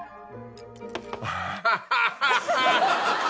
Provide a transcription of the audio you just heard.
ハハハハ！